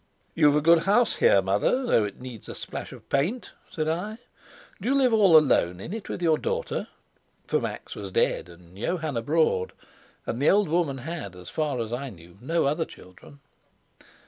"You've a good house here, mother, though it wants a splash of paint," said I. "Do you live all alone in it with your daughter?" For Max was dead and Johann abroad, and the old woman had, as far as I knew, no other children.